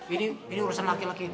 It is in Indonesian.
ini urusan laki laki